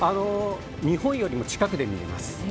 日本よりも近くから見れます。